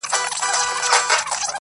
په ګوزار یې د مرغه زړګی خبر کړ.!